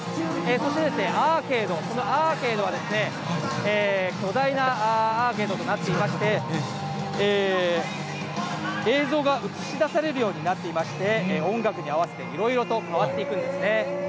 そしてアーケード、このアーケードは、巨大なアーケードとなっていまして、映像が映し出されるようになっていまして、音楽に合わせていろいろと変わっていくんですね。